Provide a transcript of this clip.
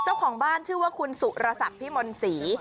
เจ้าของบ้านชื่อว่าคุณสุรสักพิมลศรี